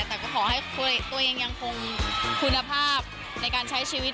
แต่ก็ขอให้ตัวเองยังคงคุณภาพในการใช้ชีวิต